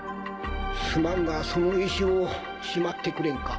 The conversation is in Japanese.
すまんがその石をしまってくれんか。